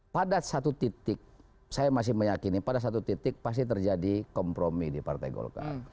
pada satu titik saya masih meyakini pada satu titik pasti terjadi kompromi di partai golkar